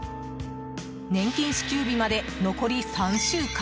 年金支給日まで、残り３週間。